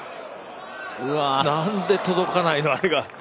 なんで届かないの、あれが。